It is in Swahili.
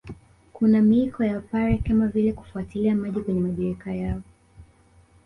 Kuna miiko ya Wapare kama vile kufuatilia maji kwenye mabirika yao